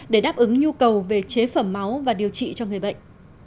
để đáp ứng nhu cầu về chế phẩm máu và điều trị cho người bệnh